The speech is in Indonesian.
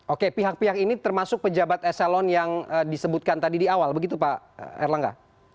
oke pihak pihak ini termasuk pejabat eselon yang disebutkan tadi di awal begitu pak erlangga